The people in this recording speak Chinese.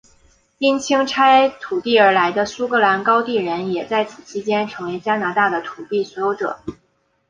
因清拆土地而来的苏格兰高地人也在此期间成为加拿大的土地所有者。